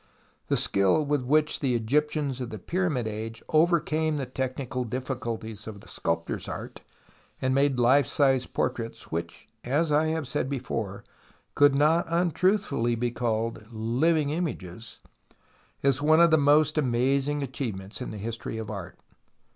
The skill witli which the Egyptians of the Pyramid Asfc overcame the teclmical difficulties of the sculptors' art and made life size portraits which, as I have said before, could not untruthfully be called " living images," is one of the most amazing achievements in the history of art.